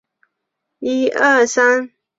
大理茶是山茶科山茶属的植物。